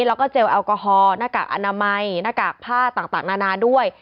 แล้วก็เจลแอลกอฮอล์หน้ากากอนามัยหน้ากากผ้าต่างนานาด้วย